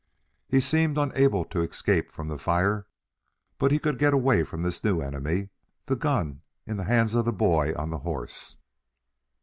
He seemed unable to escape from the fire, but he could get away from this new enemy, the gun in the hands of the boy on the horse.